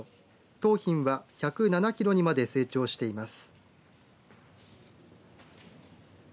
桃浜は１０７キロにまで成長しています。